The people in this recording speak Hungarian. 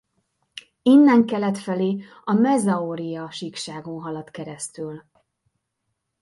Innen kelet felé a Mezaoria-síkságon halad keresztül.